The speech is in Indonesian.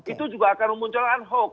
itu juga akan memunculkan hoax